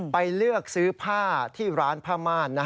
ไปเลือกซื้อผ้าที่ร้านผ้าม่าน